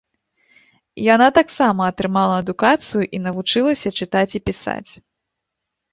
Яна таксама атрымала адукацыю і навучылася чытаць і пісаць.